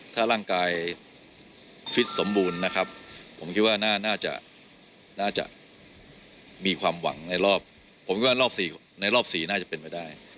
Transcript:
ถ้าร่างกายฟิตสมบูรณ์นะครับผมคิดว่าน่าจะมีความหวังในรอบ๔น่าจะเป็นไปได้